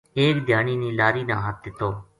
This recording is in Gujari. ایک دھیانی نے لاری نا ہتھ دِتو